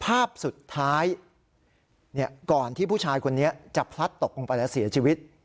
ภาพสุดท้ายก่อนที่ผู้ชายคนนี้จะพลัดตกลงไปแล้วเสียชีวิต